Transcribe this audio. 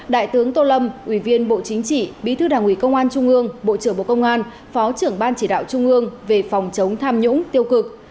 đại tướng tô lâm ủy viên bộ chính trị bí thư đảng ủy công an trung ương bộ trưởng bộ công an phó trưởng ban chỉ đạo trung ương về phòng chống tham nhũng tiêu cực